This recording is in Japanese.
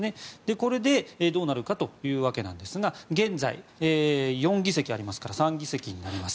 これでどうなるかというわけですが現在、４議席ありますから３議席になります。